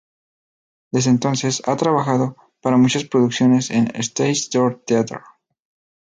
Desde entonces, ha trabajado para muchas producciones en el Stage Door Theater.